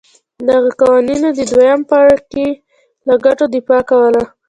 دغو قوانینو د دویم پاړکي له ګټو دفاع کوله.